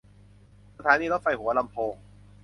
สถานีรถไฟหัวลำโพง